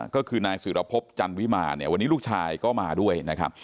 ก็คือนายสุรพพจันทร์วิมารวันนี้ลูกชายก็มาด้วย